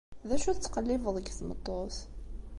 D acu i tettqellibeḍ deg tmeṭṭut?